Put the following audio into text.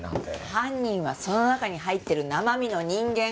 犯人はその中に入ってる生身の人間！